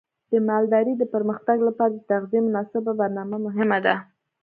د مالدارۍ د پرمختګ لپاره د تغذیې مناسب برنامه مهمه ده.